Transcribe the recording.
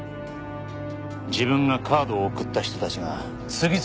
自分がカードを送った人たちが次々と死んでいく。